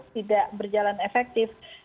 tidak berjalan efektif